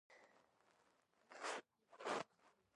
د دوی مخالفت بنسټیز نه، موقعتي دی.